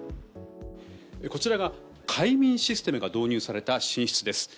こちらが快眠システムが導入された寝室です。